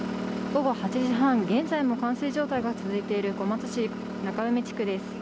午後８時半現在も冠水状態が続いている小松市です。